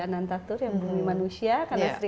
anantathur yang bumi manusia karena sri